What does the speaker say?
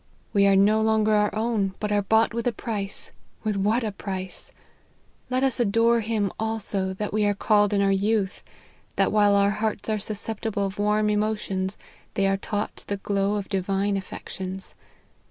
We are no longer ourown, but are bought with a 32 LIFE OF HENRY MARTYN. price with what a price ! Let us adore him also, that we are called in our youth ; that while our hearts are susceptible of warm emotions, they are taught the glow of Divine affections.